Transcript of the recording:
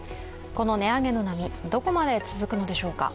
この値上げの波、どこまで続くのでしょうか。